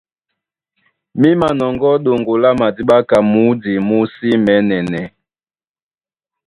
Mí manɔŋgɔ́ ɗoŋgo lá madíɓá ka mǔdi mú sí mɛɛ̄nɛnɛɛ́.